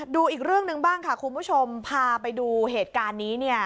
ดูอีกเรื่องหนึ่งบ้างค่ะคุณผู้ชมพาไปดูเหตุการณ์นี้เนี่ย